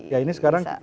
ya ini sekarang kita lagi